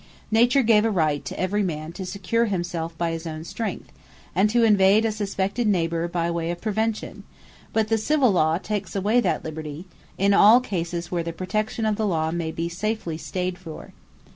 Nature gave a Right to every man to secure himselfe by his own strength, and to invade a suspected neighbour, by way of prevention; but the Civill Law takes away that Liberty, in all cases where the protection of the Lawe may be safely stayd for.